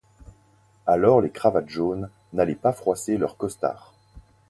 Alors les cravates jaunes n’allaient pas froisser leur costard.